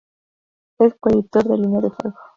Es coeditor de "Línea de fuego".